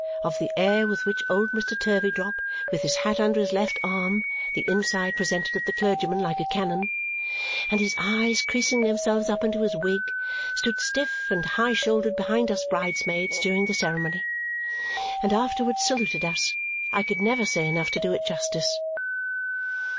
Of the air with which old Mr. Turveydrop, with his hat under his left arm (the inside presented at the clergyman like a cannon) and his eyes creasing themselves up into his wig, stood stiff and high shouldered behind us bridesmaids during the ceremony, and afterwards saluted us, I could never say enough to do it justice.